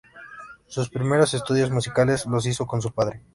Sus primeros estudios musicales los hizo con su padre.